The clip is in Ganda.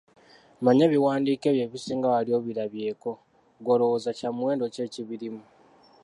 Mmanyi ebiwandiiko ebyo ebisinga wali obirabyeko, ggwe olowooza kyamuwendo ki ekibirimu?